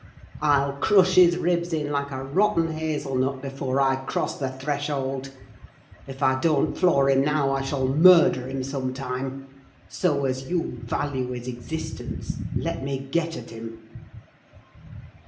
I'll crush his ribs in like a rotten hazel nut before I cross the threshold! If I don't floor him now, I shall murder him some time; so, as you value his existence, let me get at him!"